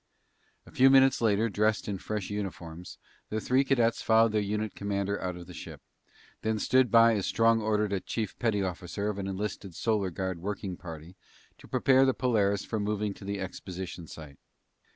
A few minutes later, dressed in fresh uniforms, the three cadets followed their unit commander out of the ship, then stood by as Strong ordered the chief petty officer of an enlisted Solar Guard working party to prepare the Polaris for moving to the exposition site.